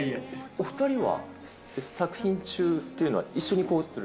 お２人は作品中っていうのは一緒に？